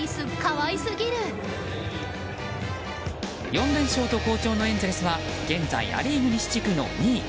４連勝と好調のエンゼルスは現在ア・リーグ西地区の２位。